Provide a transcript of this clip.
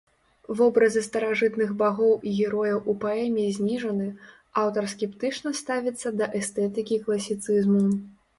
Вобразы старажытных багоў і герояў у паэме зніжаны, аўтар скептычна ставіцца да эстэтыкі класіцызму.